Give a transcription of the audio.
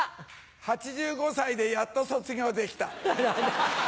８５歳でやっと卒業できた。